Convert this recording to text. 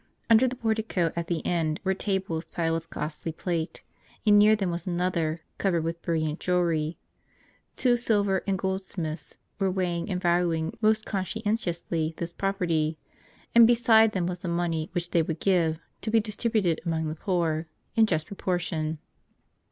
Under the portico at the end were tables piled with costly plate, and near them was another covered with brilliant jew elry. Two silver and goldsmiths were weighing and valuing most conscientiously this property ; and beside them was the money which they would give, to be distributed amongst the poor, in just proportion.